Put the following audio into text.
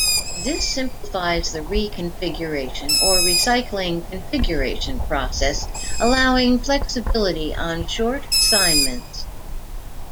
This simplifies the reconfiguration or recycling configuration process allowing flexibility on short assignments.